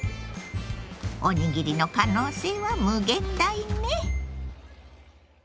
おにぎりの可能性は無限大ね。